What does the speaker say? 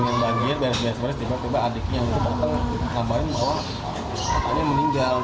dengan banjir tiba tiba adiknya itu datang ngabarin bahwa dia meninggal